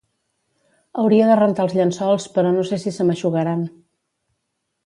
Hauria de rentar els llençols però no sé si se m'eixugaran